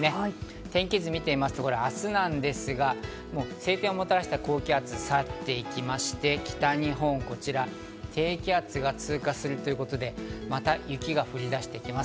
天気図を見てみますと、明日朝なんですが、晴天をもたらした高気圧が去っていきまして、北日本、こちら低気圧が通過するということでまた雪が降り出してきます。